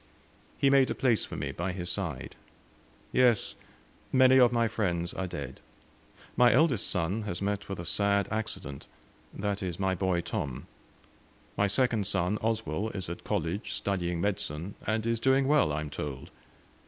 He made a place for me by his side. "Yes, many of my friends are dead. My eldest son has met with a sad accident that is, my boy Tom; my second son, Oswell, is at college studying medicine, and is doing well I am told.